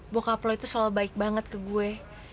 bokap lo itu selalu baik banget ke gue